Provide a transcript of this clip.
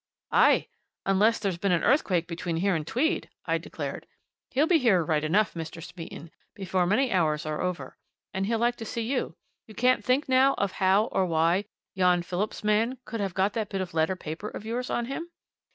"Aye! unless there's been an earthquake between here and Tweed!" I declared. "He'll be here, right enough, Mr. Smeaton, before many hours are over. And he'll like to see you. You can't think, now, of how, or why, yon Phillips man could have got that bit of letter paper of yours on him?